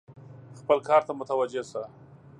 خپل کار ته متوجه شه !